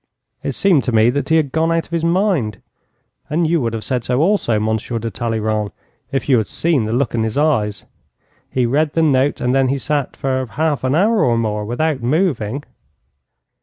It seemed to me that he had gone out of his mind; and you would have said so also, Monsieur de Talleyrand, if you had seen the look in his eyes. He read the note, and then he sat for half an hour or more without moving.'